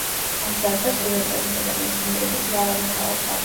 აღზარდა სტუდენტებისა და მეცნიერების მრავალი თაობა.